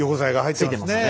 ついてますよね。